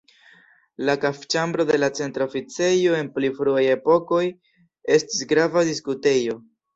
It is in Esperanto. La kafĉambro en la Centra Oficejo en pli fruaj epokoj estis grava diskutejo.